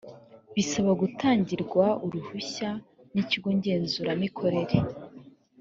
bisaba gutangirwa uruhushya n’ikigo ngenzuramikorere